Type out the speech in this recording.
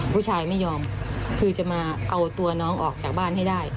ผู้ชายไม่ยอมคือจะมาเอาตัวน้องออกจากบ้านให้ได้